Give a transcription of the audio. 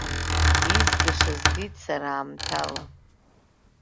Изгаша згеит сара аамҭала.